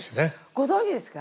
ご存じですか？